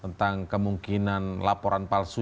tentang kemungkinan laporan palsu